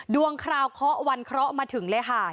คราวเคาะวันเคราะห์มาถึงเลยค่ะ